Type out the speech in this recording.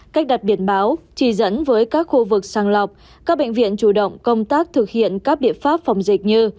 cách đặt biển báo chỉ dẫn với các khu vực sàng lọc các bệnh viện chủ động công tác thực hiện các biện pháp phòng dịch như